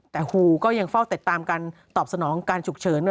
แต่ครูก็ยังเฝ้าติดตามการตอบสนองการฉุกเฉิน